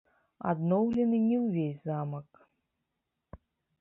Адноўлены не ўвесь замак.